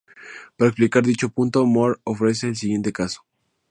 Para explicar dicho punto, Moore ofrece el siguiente caso.